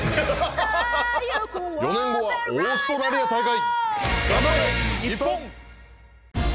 ４年後はオーストラリア大会！